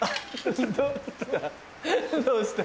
どうした？